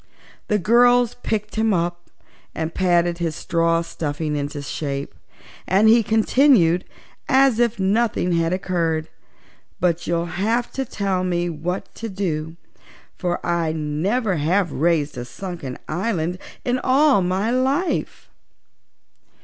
The girls picked him up and patted his straw stuffing into shape, and he continued, as if nothing had occurred: "But you'll have to tell me what to do, for I never have raised a sunken island in all my life."